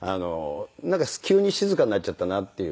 急に静かになっちゃったなっていう。